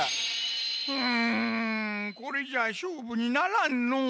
うんこれじゃしょうぶにならんのう。